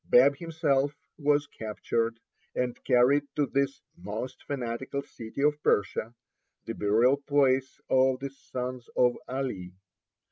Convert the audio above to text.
Bab himself was captured, and carried to this "most fanatical city of Persia," the burial place of the sons of Ali.